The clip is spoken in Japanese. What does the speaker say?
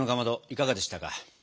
いかがでしたか？